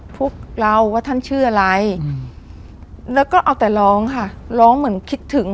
พวกเราว่าท่านชื่ออะไรแล้วก็เอาแต่ร้องค่ะร้องเหมือนคิดถึง